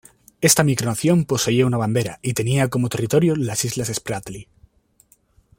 Esta micronación poseía una bandera y tenía como territorio las islas Spratly.